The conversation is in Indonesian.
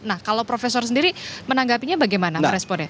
nah kalau profesor sendiri menanggapinya bagaimana meresponnya